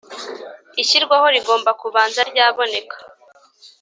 ishyirwaho rigomba kubanza ryaboneka